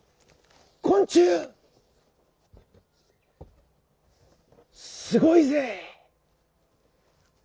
「昆虫すごいぜ！」。